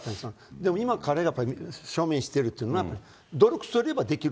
でも今、彼が証明してるっていうのは、努力すればできる。